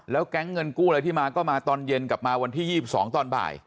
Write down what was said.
แก๊งเงินกู้อะไรที่มาก็มาตอนเย็นกลับมาวันที่๒๒ตอนบ่าย